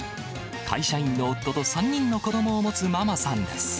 会社員の夫と３人の子どもを持つママさんです。